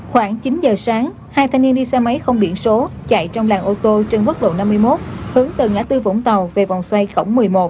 khoảng chín giờ sáng hai thanh niên đi xe máy không biển số chạy trong làng ô tô trên quốc lộ năm mươi một hướng từ ngã tư vũng tàu về vòng xoay cổng một mươi một